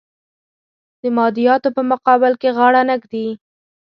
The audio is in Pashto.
د مادیاتو په مقابل کې غاړه نه ږدي.